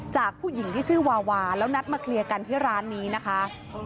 จากผู้หญิงที่ชื่อวาวาแล้วนัดมาเคลียร์กันที่ร้านนี้นะคะ